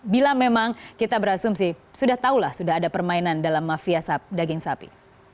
bila memang kita berasumsi sudah tahulah sudah ada permainan dalam mafia daging sapi